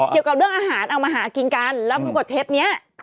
เกี่ยวกับเรื่องอาหารเอามาหากินกันแล้วปรากฏเทปนี้